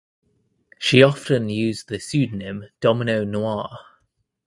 She often used the pseudonym Domino Noir.